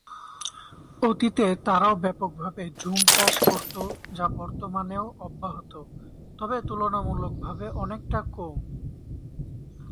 অতীতে তারাও ব্যাপকভাবে জুম চাষ করতো যা বর্তমানেও অব্যাহত, তবে তুলনামূলকভাবে অনেকটা কম।